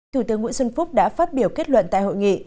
thủ tướng nguyễn xuân phúc đã phát biểu kết luận tại hội nghị